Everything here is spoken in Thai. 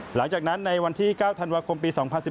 หลังจากนั้นในวันที่๙ธันวาคมปี๒๐๑๙